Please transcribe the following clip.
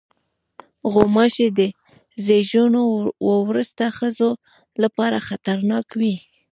غوماشې د زیږون وروسته ښځو لپاره خطرناک وي.